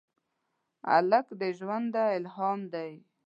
هلک د ژونده الهام دی.